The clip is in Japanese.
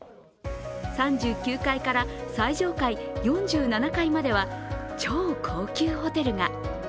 ３９階から最上階４７階までは超高級ホテルが。